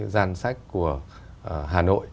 gian sách của hà nội